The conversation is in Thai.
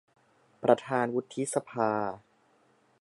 ประธานวุฒิสภา